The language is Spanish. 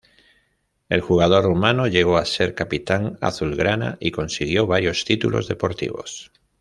El jugador rumano llegó a ser capitán azulgrana y consiguió varios títulos deportivos.